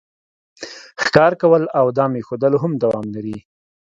ښکار کول او دام ایښودل هم دوام لري